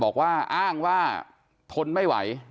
บอกว่าอ้างว่าทนไม่ไหว